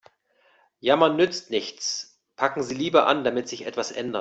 Jammern nützt nichts, packen Sie lieber an, damit sich etwas ändert.